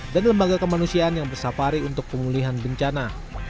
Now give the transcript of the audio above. dan lembaga kemanusiaan yang bersafari untuk pemulihan bencana